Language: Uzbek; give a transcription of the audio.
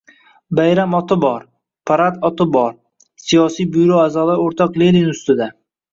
Bayram oti bor, parad oti bor — Siyosiy byuro a’zolari o‘rtoq Lenin ustida...